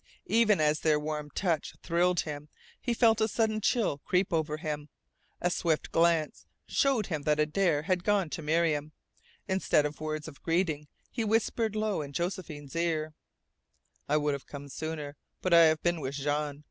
Even as their warm touch thrilled him he felt a sudden chill creep over him. A swift glance showed him that Adare had gone to Miriam. Instead of words of greeting, he whispered low in Josephine's ear: "I would have come sooner, but I have been with Jean.